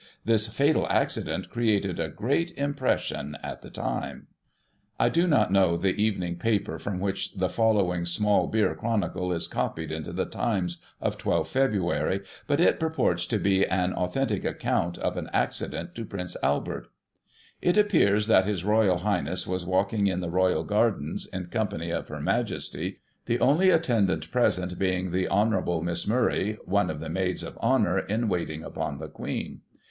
This fatal accident created a great impression at the time. I do not know the Evening paper from which the following " small beer " chronicle is copied into the Times of 1 2 Feb., but it purports to be an " authentic account " of an accident to Prince Albert :" It appears that His Royal Highness was walking in the Royal gardens, in company of Her Majesty, the only attendant present being the Hon. Miss Murray, one of the Maids of Honour in waiting upon the Queen.